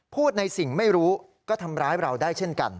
พูดในสิ่งไม่รู้ก็ทำร้ายเราได้เช่นกัน